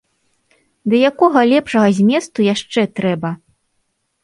Ды якога лепшага зместу яшчэ трэба?